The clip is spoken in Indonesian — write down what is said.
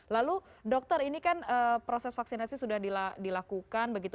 lalu dokter ini kan proses vaksinasi sudah dilakukan begitu